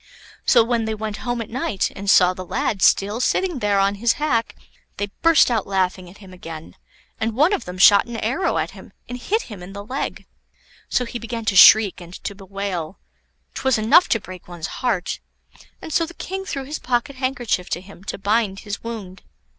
So when they went home at night, and saw the lad still sitting there on his hack, they burst out laughing at him again, and one of them shot an arrow at him and hit him in the leg. So he began to shriek and to bewail; 'twas enough to break one's heart; and so the King threw his pocket handkerchief to him to bind his wound.